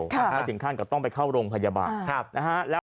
แล้วถึงท่านก็ต้องไปเข้าโรงพยาบาล